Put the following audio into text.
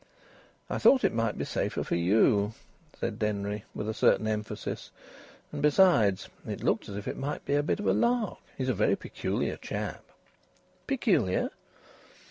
"I thought it might be safer for you," said Denry, with a certain emphasis. "And, besides, it looked as if it might be a bit of a lark. He's a very peculiar chap." "Peculiar?"